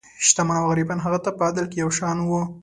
شتمن او غریبان هغه ته په عدل کې یو شان وو.